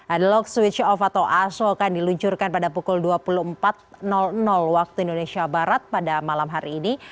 analog switch off atau aso akan diluncurkan pada pukul dua puluh empat waktu indonesia barat pada malam hari ini